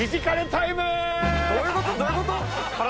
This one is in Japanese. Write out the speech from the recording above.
どういうこと⁉体？